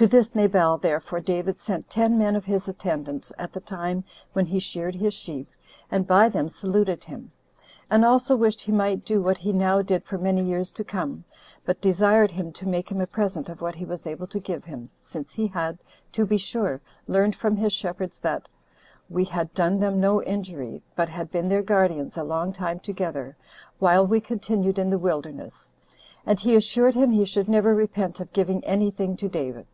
To this Nabal, therefore, David sent ten men of his attendants at the time when he sheared his sheep, and by them saluted him; and also wished he might do what he now did for many years to come, but desired him to make him a present of what he was able to give him, since he had, to be sure, learned from his shepherds that we had done them no injury, but had been their guardians a long time together, while we continued in the wilderness; and he assured him he should never repent of giving any thing to David.